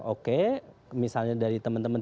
oke misalnya dari teman teman